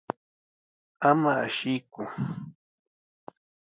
Ama asiyku.